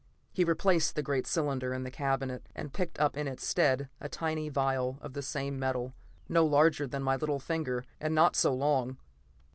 He replaced the great cylinder in the cabinet, and picked up in its stead a tiny vial of the same metal, no larger than my little finger, and not so long.